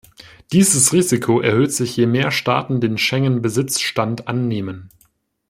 Dieses Risiko erhöht sich, je mehr Staaten den Schengen-Besitzstand annehmen.